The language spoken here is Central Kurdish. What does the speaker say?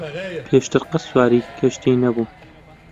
پێشتر قەت سواری کەشتی نەبووم.